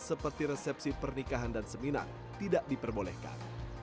seperti resepsi pernikahan dan seminar tidak diperbolehkan